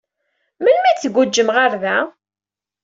Melmi ay d-tguǧǧemt ɣer da?